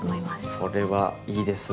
それはいいですね！